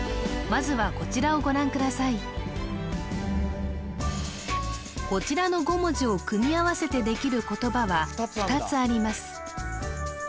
まずはこちらの５文字を組み合わせてできる言葉は２つあります